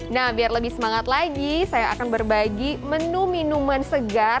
nah biar lebih semangat lagi saya akan berbagi menu minuman segar